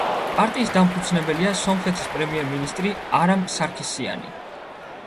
პარტიის დამფუძნებელია სომხეთის პრემიერ-მინისტრი არამ სარქისიანი.